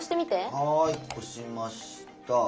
はい押しました。